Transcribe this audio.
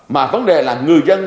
mà vấn đề là người dân